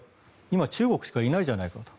今は中国しかいないじゃないかと。